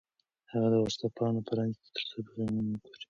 هغه د وټس-اپ پاڼه پرانیسته ترڅو پیغامونه وګوري.